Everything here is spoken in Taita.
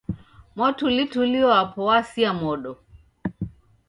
Mwatulituli wapo wasia modo.